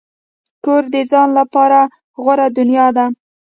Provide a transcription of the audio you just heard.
کور د ځان لپاره غوره دنیا ده.